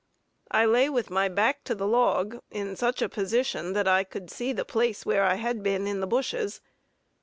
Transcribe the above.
I lay with my back to the log in such a position, that I could see the place where I had been in the bushes.